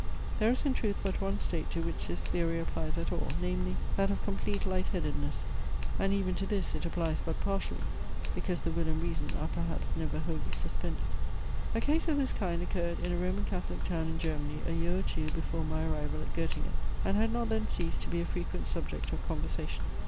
There is in truth but one state to which this theory applies at all, namely, that of complete light headedness; and even to this it applies but partially, because the will and reason are perhaps never wholly suspended. A case of this kind occurred in a Roman Catholic town in Germany a year or two before my arrival at Goettingen, and had not then ceased to be a frequent subject of conversation.